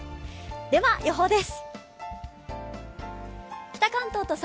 では予報です。